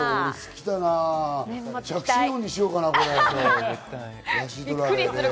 着信音にしようかな？